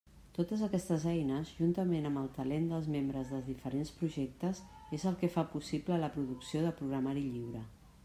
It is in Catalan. Totes aquestes eines, juntament amb el talent dels membres dels diferents projectes, és el que fa possible la producció de programari lliure.